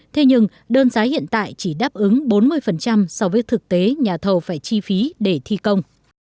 thế nhưng đơn giá hiện tại chỉ đáp ứng bốn mươi so với thực tế nhà thầu phải chi phí để thi công